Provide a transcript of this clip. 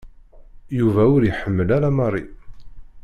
Yuba ur iḥemmel ara Mary.